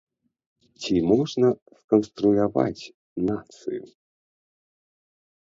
Ці можна сканструяваць нацыю?